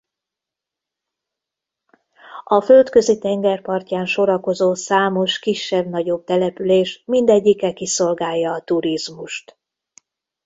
A Földközi-tenger partján sorakozó számos kisebb-nagyobb település mindegyike kiszolgálja a turizmust.